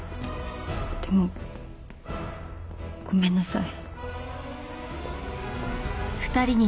でもごめんなさい。